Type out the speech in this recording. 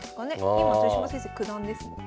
今豊島先生九段ですもんね。